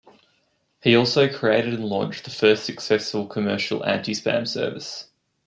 He also created and launched the first successful commercial anti-spam service.